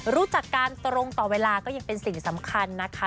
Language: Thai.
รู้จักกันตรงต่อเวลาก็ยังเป็นสิ่งสำคัญนะคะ